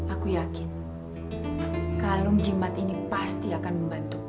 aku yakin kalung jimat ini pasti akan membantu